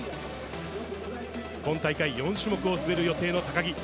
今大会４種目を滑る予定の高木。